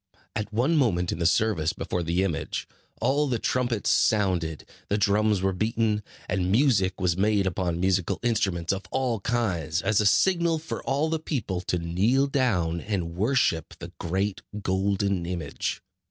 At one moment in the service before the image, all the trumpets sounded, the drums were beaten, and music was made upon musical instruments of all kinds, as a signal for all the people to kneel down and worship the great golden image.